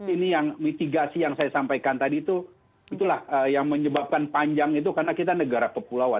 ini yang mitigasi yang saya sampaikan tadi itu itulah yang menyebabkan panjang itu karena kita negara kepulauan